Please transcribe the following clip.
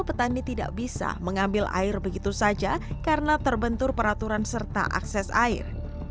petani tidak bisa mengambil air begitu saja karena terbentur peraturan serta akses air